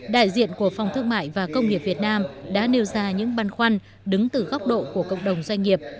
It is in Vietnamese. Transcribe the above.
đại diện của phòng thương mại và công nghiệp việt nam đã nêu ra những băn khoăn đứng từ góc độ của cộng đồng doanh nghiệp